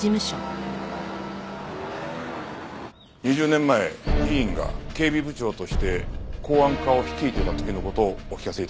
２０年前議員が警備部長として公安課を率いていた時の事をお聞かせ頂きたい。